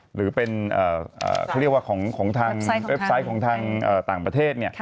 หรือเป็นเขาเรียกว่าของทางเว็บไซต์ของทางต่างประเทศ